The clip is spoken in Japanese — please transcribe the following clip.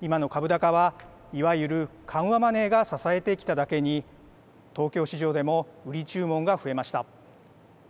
今の株高は、いわゆる緩和マネーが支えてきただけに東京市場でも売り注文が増えました。